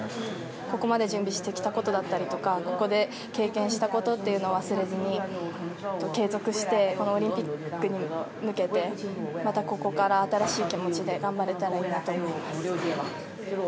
ここまで準備してきたことだったりとかここで経験したことというのを忘れずに継続してオリンピックに向けてまたここから新しい気持ちで頑張れたらいいなと思います。